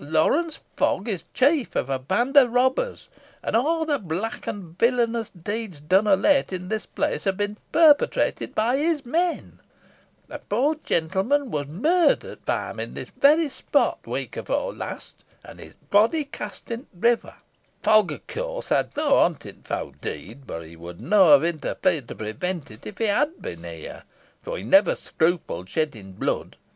Lawrence Fogg is chief o' a band o' robbers, an aw the black an villanous deeds done of late i' this place, ha' been parpetrated by his men. A poor gentleman wur murdert by 'em i' this varry spot th' week efore last, an his body cast into t' river. Fogg, of course, had no hont in the fow deed, boh he would na ha interfered to prevent it if he had bin here, fo' he never scrupled shedding blood.